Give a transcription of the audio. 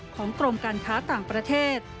กรมการค้าต่างประเทศ